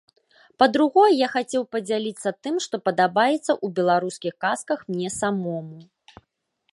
Па-другое, я хацеў падзяліцца тым, што падабаецца ў беларускіх казках мне самому.